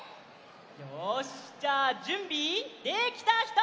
よしじゃあじゅんびできたひと！